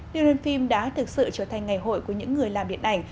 liên đoàn phim đã thực sự trở thành ngày hội của những người làm điện ảnh